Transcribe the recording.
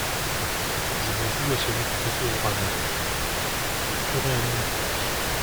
Je me voue à celui qui te sauvera, Nasie ! je tuerai un homme pour lui.